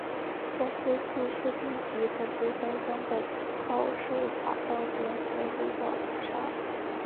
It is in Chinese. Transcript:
公司注册地及总部在湾仔告士打道联合鹿岛大厦。